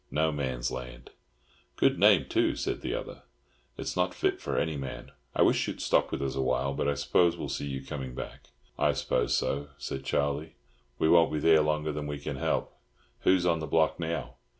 "No Man's Land." "Good name, too," said the other. "It's not fit for any man. I wish you'd stop with us a while, but I suppose we'll see you coming back." "I suppose so," said Charlie. "We won't be there longer than we can help. Who's on the block now?